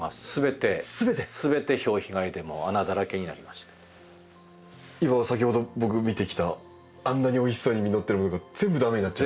なってたものが先ほど僕見てきたあんなにおいしそうに実ってるものが全部駄目になっちゃう？